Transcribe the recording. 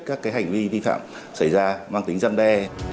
các hành vi vi phạm xảy ra mang tính răn đe